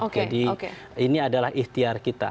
jadi ini adalah ikhtiar kita